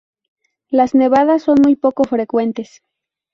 Las nevadas son muy poco frecuentes.